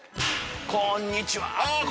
こんにちは！って。